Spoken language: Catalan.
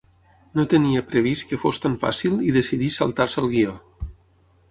No tenia previst que fos tan fàcil i decideix saltar-se el guió.